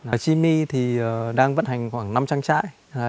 ở chimi thì đang vận hành khoảng năm trang trại